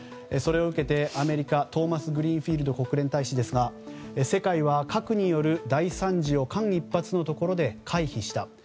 それを受けてアメリカトーマス・グリーンフィールド国連大使ですが世界は核による大惨事を間一髪のところで回避した。